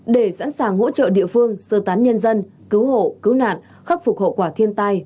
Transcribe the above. để sẵn sàng hỗ trợ địa phương sơ tán nhân dân cứu hộ cứu nạn khắc phục hậu quả thiên tai